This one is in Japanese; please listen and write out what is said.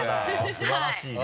素晴らしいね。